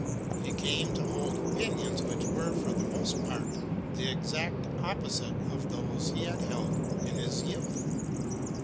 He came to hold opinions which were for the most part the exact opposite of those he had held in his youth.